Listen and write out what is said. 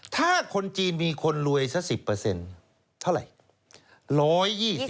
ถ้าคนจีนมีคนรวยสัก๑๐เท่าไหร่